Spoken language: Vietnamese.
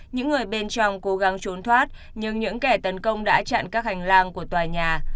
những người bên trong cố gắng trốn thoát nhưng những kẻ tấn công đã chặn các hành lang của tòa nhà